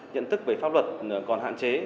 nhận thức về pháp luật còn hạn chế